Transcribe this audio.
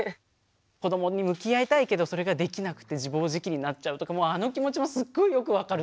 「子どもに向き合いたいけどそれができなくて自暴自棄になっちゃう」とかもうあの気持ちもすっごいよく分かるし。